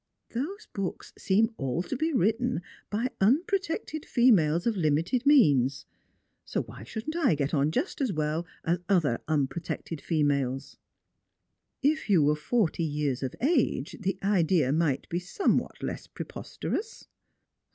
Those books seem all to be written by unprotected females of limited means. Why shouldn't I get on just as well as other unpro tected females ?"•' If you were forty years of age, the idea might be somewhat less preposterous."